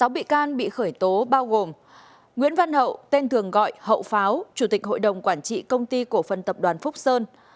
sáu bị can bị khởi tố bao gồm nguyễn văn hậu tên thường gọi hậu pháo chủ tịch hội đồng quản trị công ty cổ phần tập đoàn phúc sơn